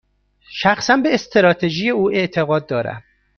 شخصا، به استراتژی او اعتقاد دارم.